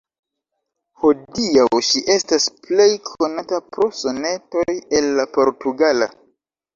Hodiaŭ ŝi estas plej konata pro "Sonetoj el la Portugala".